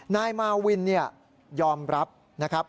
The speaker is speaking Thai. นายมาวินยอมรับนะครับ